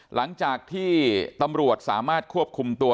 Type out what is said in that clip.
หลังจากที่ตำรวจสามารถควบคุมตัว